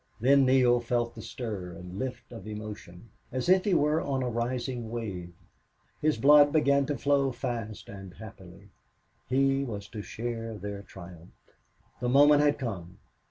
Then Neale felt the stir and lift of emotion, as if he were on a rising wave. His blood began to flow fast and happily. He was to share their triumphs. The moment had come.